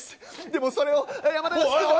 でもそれを。